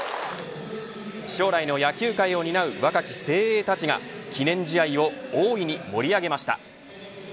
将来の野球界を担う若き精鋭たちが記念試合を大いに盛り上げました。